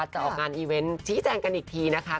ออกงานอีเวนต์ชี้แจงกันอีกทีนะคะ